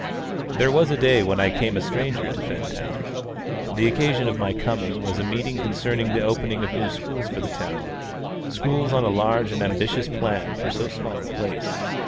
There was a day when I came a stranger to Fentown. The occasion of my coming was a meeting concerning the opening of new schools for the town schools on a large and ambitious plan for so small a place.